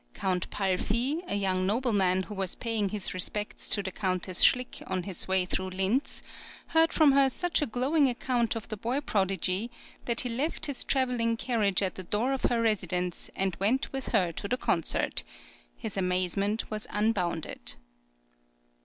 Count Palfy, a young nobleman who was paying his respects to the Countess Schlick on his way through Linz, heard from her such a glowing account of the boy prodigy that he left his travelling carriage at the door of her residence and went with her to {EARLY JOURNEYS.} (26) the concert; his amazement was unbounded.